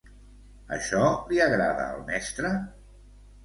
Això li agrada al mestre?